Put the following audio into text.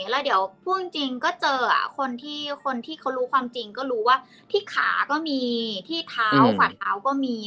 แล้วเดี๋ยวพ่วงจริงก็เจอคนที่คนที่เขารู้ความจริงก็รู้ว่าที่ขาก็มีที่เท้าฝาดเท้าก็มี